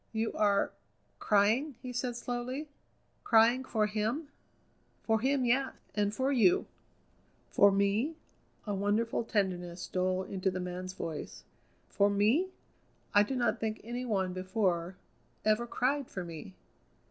"You are crying?" he said slowly; "crying for him?" "For him, yes, and for you!" "For me?" a wonderful tenderness stole into the man's voice "for me? I do not think any one before ever cried for me.